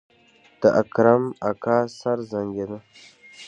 د اکرم اکا سر زانګېده.